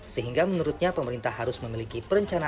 sehingga menurutnya pemerintah harus memiliki perencanaan